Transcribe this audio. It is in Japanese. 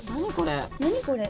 何これ。